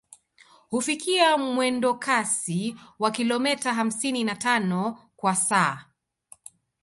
Hufikia mwendokasi wa kilometa hamsini na tano kwa saa